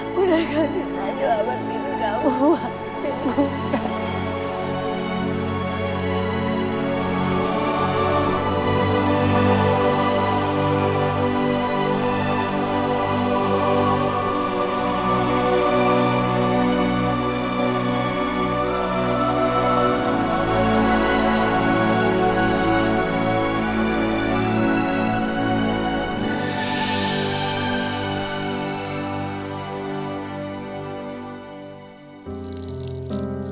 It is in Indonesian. bunda gak bisa nyelamatin kamu maafin bunda